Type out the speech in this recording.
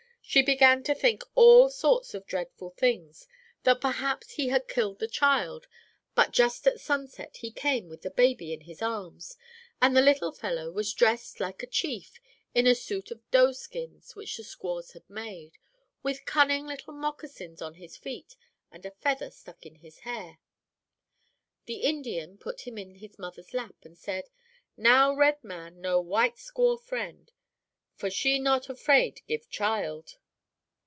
She began to think all sorts of dreadful things, that perhaps he had killed the child. But just at sunset he came with the baby in his arms, and the little fellow was dressed like a chief, in a suit of doe skins which the squaws had made, with cunning little moccasins on his feet and a feather stuck in his hair. The Indian put him in his mother's lap, and said, "'Now red man know white squaw friend, for she not afraid give child.'